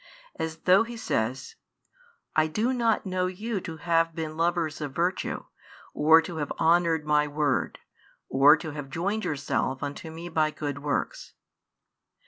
As though He says: "I do not know you to have been lovers of virtue, or to have honoured My word, or to have joined yourselves unto Me by good works."